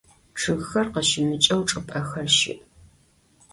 Чъыгхэр къыщымыкӏэу чӏыпӏэхэр щыӏ.